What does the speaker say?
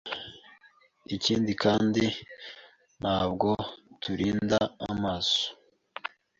ikindi kandi ntabwo turinda amaso